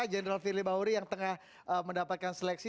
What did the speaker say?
general fili bauri yang tengah mendapatkan seleksi